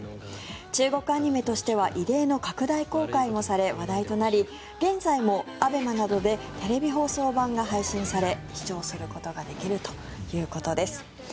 中国アニメとしては異例の拡大公開もされ話題となり現在もＡＢＥＭＡなどでテレビ放送版が配信され視聴することができるということです。